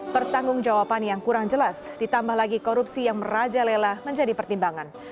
pertanggung jawaban yang kurang jelas ditambah lagi korupsi yang merajalela menjadi pertimbangan